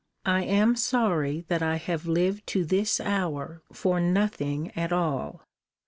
I am sorry that I have lived to this hour for nothing at all.